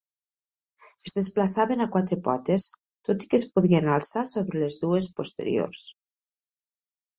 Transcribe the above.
Es desplaçaven a quatre potes tot i que es podien alçar sobre les dues posteriors.